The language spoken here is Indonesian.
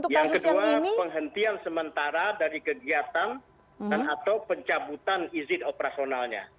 yang kedua penghentian sementara dari kegiatan dan atau pencabutan izin operasionalnya